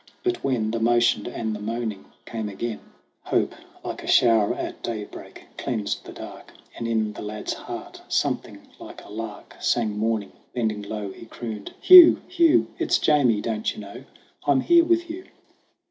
But when The motion and the moaning came again, GRAYBEARD AND GOLDHAIR 15 Hope, like a shower at daybreak, cleansed the dark, And in the lad's heart something like a lark Sang morning. Bending low, he crooned : "Hugh, Hugh, It's Jamie don't you know ? I'm here with you."